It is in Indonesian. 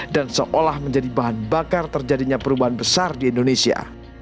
dan seolah menjadi bahan bakar terjadinya perubahan besar di indonesia